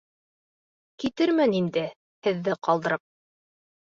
Китермен инде һеҙҙе ҡалдырып.